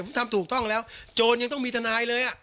ผมทำถูกต้องแล้วโจรยังต้องมีทนายเลย